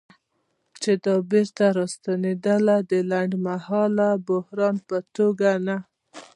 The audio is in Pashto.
چې دا بیرته راستنېدنه د لنډمهاله بحران په توګه نه